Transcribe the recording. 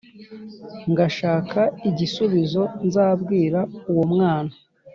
Ngashaka igisubizo Nzabwira uwo mwana